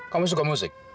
kamu suka musik